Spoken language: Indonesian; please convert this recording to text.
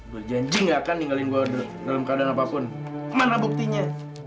gua janji gak akan ninggalin gua dalam keadaan apapun mana buktinya